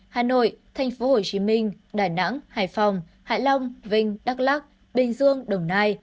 hà nội thành phố hồ chí minh đà nẵng hải phòng hải long vinh đắk lắc bình dương đồng nai